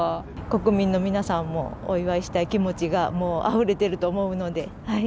国民の皆さんも、お祝いしたい気持ちが、もうあふれてると思うので。